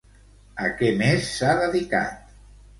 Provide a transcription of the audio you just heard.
A què més s'ha dedicat?